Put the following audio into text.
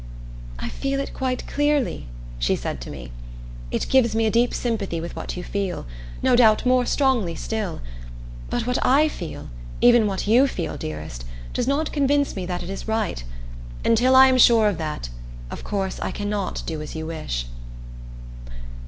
"I feel it quite clearly," she said to me. "It gives me a deep sympathy with what you feel, no doubt more strongly still. But what I feel, even what you feel, dearest, does not convince me that it is right. Until I am sure of that, of course I cannot do as you wish."